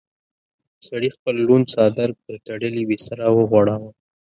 سړي خپل لوند څادر پر تړلې بستره وغوړاوه.